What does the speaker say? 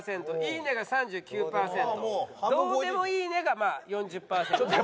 「どーでもいいね」がまあ４０パーセント。